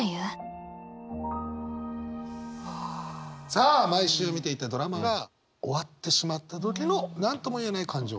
さあ毎週見ていたドラマが終わってしまった時の何とも言えない感情。